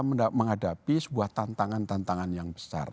kita menghadapi sebuah tantangan tantangan yang besar